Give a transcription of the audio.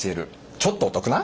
ちょっとお得な」。